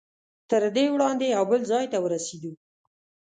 تر دې وړاندې یو بل ځای ته ورسېدو.